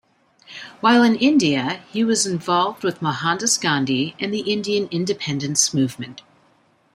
While in India, he was involved with Mohandas Gandhi and the Indian independence movement.